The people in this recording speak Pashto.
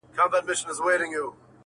• نه په خوله کي یې لرل تېره غاښونه -